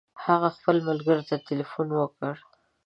هغه خپل ملګري ته تلیفون وکړ.